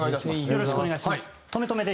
よろしくお願いします。